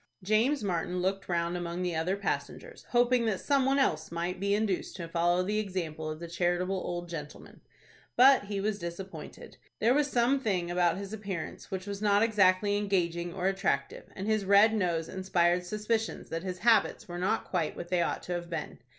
James Martin looked round among the other passengers, hoping that some one else might be induced to follow the example of the charitable old gentle man. But he was disappointed. There was some thing about his appearance, which was not exactly engaging or attractive, and his red nose inspired suspicions that his habits were not quite what they ought to have been.